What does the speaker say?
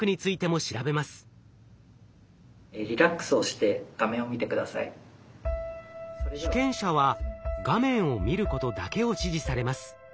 続いて被験者は画面を見ることだけを指示されます。